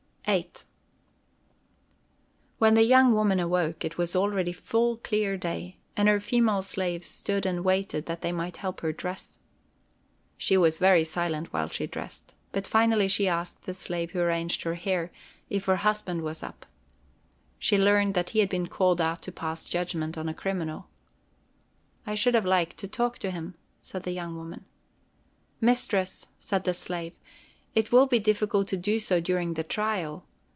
VIII When the young woman awoke, it was already full, clear day, and her female slaves stood and waited that they might help her dress. She was very silent while she dressed, but finally she asked the slave who arranged her hair, if her husband was up. She learned that he had been called out to pass judgment on a criminal. "I should have liked to talk with him," said the young woman. "Mistress," said the slave, "it will be difficult to do so during the trial.